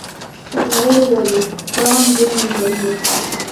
چې نوموړې وايي دا هم د مېنرالونو